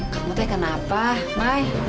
kamu teh kenapa mai